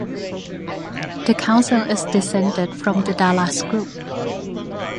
The council is descended from the Dallas Group.